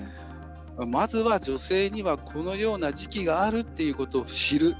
まずは女性にはこのような時期があるっていうことを知る。